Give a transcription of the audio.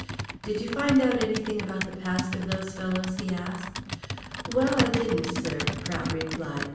"Did you find out anything about the past of those fellows?" he asked. "Well, I didn't, sir," Prout replied.